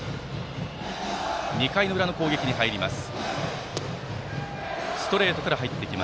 ２回裏の攻撃に入りました。